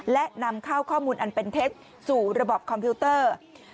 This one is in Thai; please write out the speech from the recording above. และนำเข้าข้อมูลอันเป็นเท็จสู่ระบบคอมพิวเตอร์